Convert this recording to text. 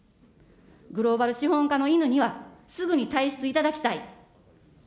グローバル資本家の犬には、すぐに退出していただきたい。